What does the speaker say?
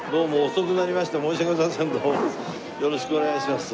よろしくお願いします。